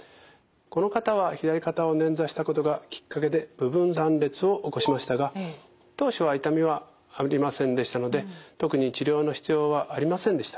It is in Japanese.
この方は左肩を捻挫したことがきっかけで部分断裂を起こしましたが当初は痛みはありませんでしたので特に治療の必要はありませんでした。